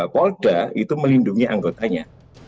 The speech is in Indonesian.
polda itu melindungi anggotanya